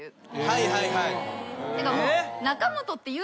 はいはいはい。